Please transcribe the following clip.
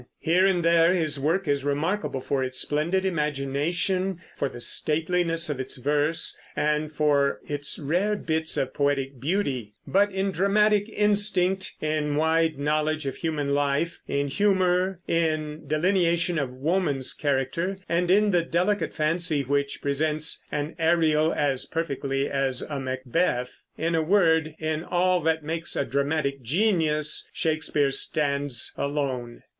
Here and there his work is remarkable for its splendid imagination, for the stateliness of its verse, and for its rare bits of poetic beauty; but in dramatic instinct, in wide knowledge of human life, in humor, in delineation of woman's character, in the delicate fancy which presents an Ariel as perfectly as a Macbeth, in a word, in all that makes a dramatic genius, Shakespeare stands alone.